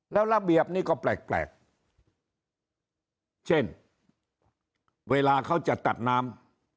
แล้วระเบียบนี้ก็แปลกเช่นเวลาเขาจะตัดน้ำ